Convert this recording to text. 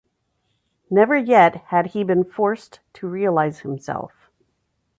Never yet had he been forced to realise himself.